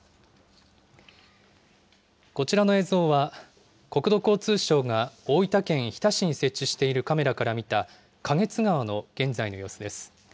こちらの映像は、国土交通省が大分県日田市に設置しているカメラから見た、花月川の現在の様子です。